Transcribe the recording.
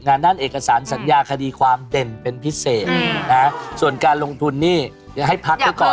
งานด้านเอกสารสัญญาคดีความเด่นเป็นพิเศษนะฮะส่วนการลงทุนนี่เดี๋ยวให้พักไว้ก่อน